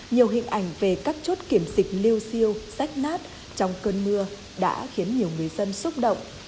nhiều hình ảnh về các chốt kiểm dịch liêu siêu sách nát trong cơn mưa đã khiến nhiều người dân xúc động